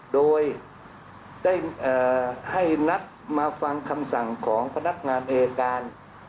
โดยได้ให้นัดมาฟังคำสั่งของพนักงานอายการ